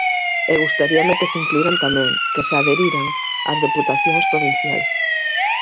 E gustaríame que se incluíran tamén, que se adheriran, as deputacións provinciais.